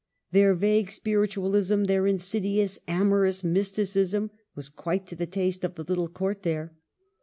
Their vague spiritualism, their insid ious, amorous mysticism, was quite to the taste of the little Court there.